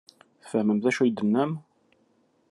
Tfehmem d acu ay d-tennam?